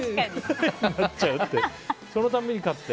そのたびに買って。